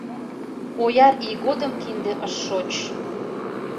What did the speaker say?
Ояр ий годым кинде ыш шоч.